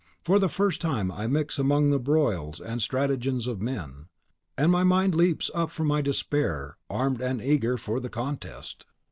For the first time I mix among the broils and stratagems of men, and my mind leaps up from my despair, armed and eager for the contest."